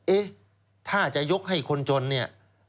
เอ๊ะถ้าจะยกให้คนจนเนี่ย